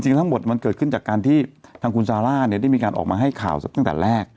ทั้งหมดมันเกิดขึ้นจากการที่ทางคุณซาร่าเนี่ยได้มีการออกมาให้ข่าวตั้งแต่แรก